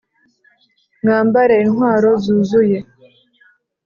Mwambare intwaro zuzuye